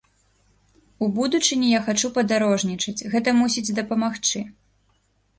У будучыні я хачу падарожнічаць, гэта мусіць дапамагчы.